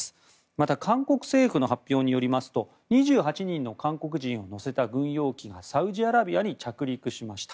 また韓国政府の発表によりますと２８人の韓国人を乗せた軍用機がサウジアラビアに着陸しました。